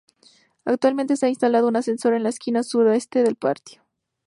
Actualmente se ha instalado un ascensor en la esquina sudoeste del patio.